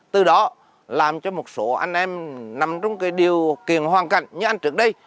từ đó làm cho một số anh em nằm trong điều kiện hoàn cảnh như anh trước đây